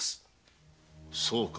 そうか。